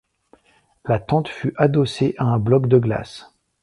La tente fut adossée à un bloc de glaces.